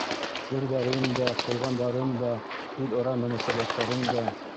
Серҙәрен дә, ҡылғандарын да, үҙ-ара мөнәсәбәттәрен дә...